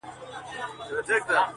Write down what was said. هغه شپه مې نه هېرېږي چې مونږ دواړه